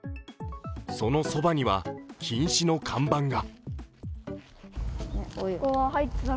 そのそばには、禁止の看板が。